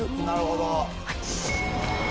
なるほど。